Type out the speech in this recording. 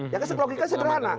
ya kan logika sederhana